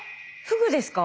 フグですか？